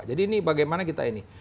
jadi ini bagaimana kita ini